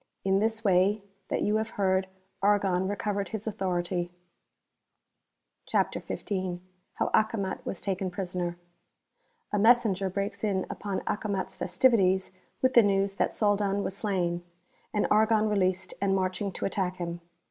In this way that you have heard, Argon recovered his authority. CHAPTER XV. How Acomat was taken Prisoner. •f (A MESSENGER breaks in upon Acomat's festivities with the news that Soldan was slain, and Argon released and marching to attack him.